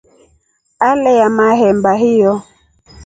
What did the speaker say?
Aleyaa mahemba hiyo.